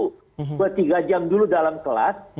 ketiga jam dulu dalam kelas